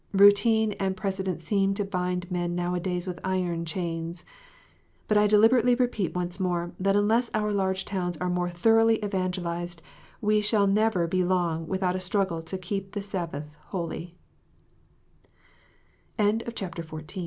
Routine and pre cedent seem to bind men now a days with iron chains. But I deliberately repeat once more, that unless our large towns are more thoroughly evangelized, we shall never be long without a struggle TO KEEP